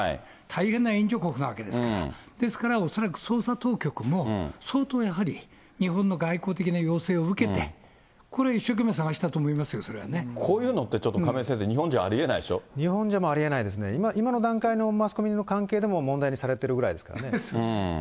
大変な援助国なわけですから、ですから恐らく捜査当局も、相当やはり、日本の外交的な要請を受けて、これは一生懸命捜したと思いますよこういうのってちょっと亀井日本ではありえないですね。今の段階のマスコミの関係でも問題にされてるぐらいですからね。